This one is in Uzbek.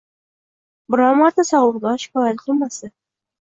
Biror marta sog‘lig‘idan shikoyat qilmasdi